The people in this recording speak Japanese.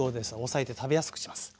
抑えて食べやすくします。